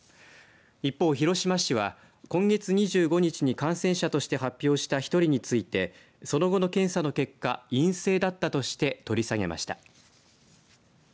一方、広島市は今月２５日に感染者として発表した１人についてその後の検査の結果陰性だったとして取り下げました。